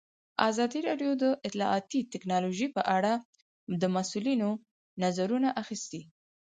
ازادي راډیو د اطلاعاتی تکنالوژي په اړه د مسؤلینو نظرونه اخیستي.